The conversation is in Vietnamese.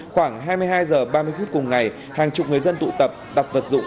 khoảng hai mươi hai h ba mươi phút cùng ngày hàng chục người dân tụ tập đọc vật dụng